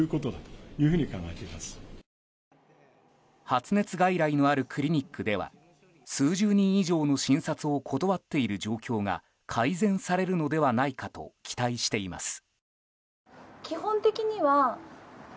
発熱外来のあるクリニックでは数十人以上の診察を断っている状況が改善されるのではないかと期待しています。